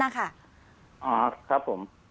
อ๋อครับผม